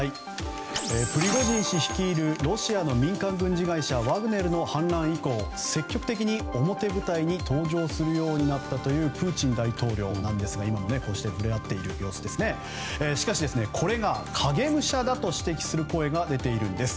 プリゴジン氏率いるロシアの民間軍事会社ワグネルの反乱以降積極的に表舞台に登場するようになったというプーチン大統領ですがしかし、これが影武者だと指摘する声が出ています。